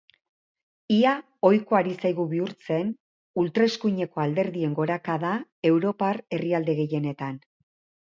Ia ohikoa ari zaigu bihurtzen ultraeskuineko alderdien gorakada europar herrialde gehienetan.